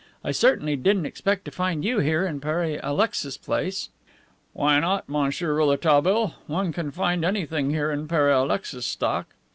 I certainly didn't expect to find you here in Pere Alexis's place." "Why not, Monsieur Rouletabille? One can find anything here in Pere Alexis's stock.